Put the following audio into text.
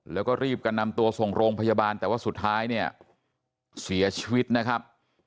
แล้วก็รีบกันนำตัวส่งโรงพยาบาลแต่ว่าสุดท้ายเนี่ยเสียชีวิตนะครับ